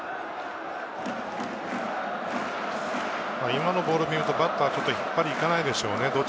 今のボールを見るとバッターは引っ張りに行かないでしょうね。